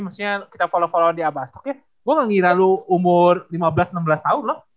mesti kita follow follow dia bahas oke gua ngira lu umur lima belas enam belas tahun loh